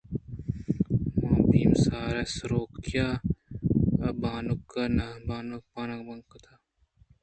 بامسار ءَ کُروسءَ بانگ بانگ کُت